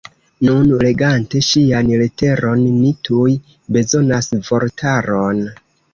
Nun, legante ŝian leteron ni tuj bezonas vortaron.